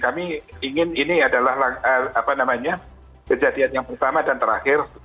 kami ingin ini adalah kejadian yang pertama dan terakhir